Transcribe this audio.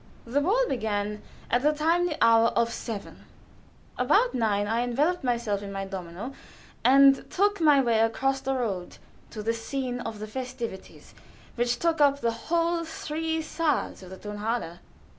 The ball began at the timely hour of seven; about nine I enveloped myself in my domino, and took my way across the road to the scene of the festivities, which took up the whole three saals of the Tonhalle.